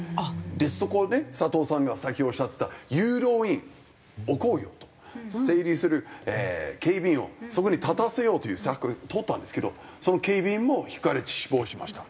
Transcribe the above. そこで佐藤さんがさっきおっしゃってた誘導員置こうよと。整理する警備員をそこに立たせようという策とったんですけどその警備員もひかれて死亡しました。